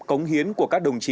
cống hiến của các đồng chí